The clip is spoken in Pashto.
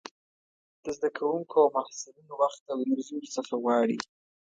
د زده کوونکو او محصلينو وخت او انرژي ورڅخه غواړي.